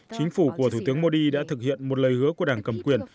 chính phủ của thủ tướng modi đã thực hiện một lời hứa của đảng cầm quyền